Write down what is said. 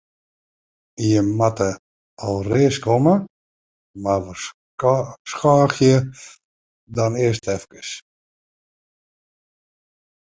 Jimme moatte al ris komme, mar warskôgje dan earst efkes.